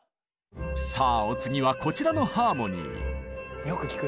さあお次はこちらのハーモニー。